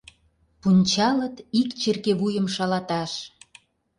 Пунчалыт: ик черке вуйым шалаташ.